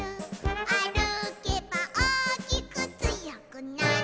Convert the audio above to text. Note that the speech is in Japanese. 「あるけばおおきくつよくなる」